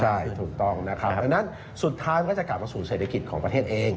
ใช่ถูกต้องนะครับดังนั้นสุดท้ายมันก็จะกลับมาสู่เศรษฐกิจของประเทศเอง